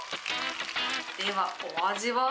ではお味は？